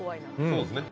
そうですね